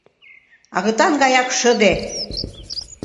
Агытан гаяк шыде...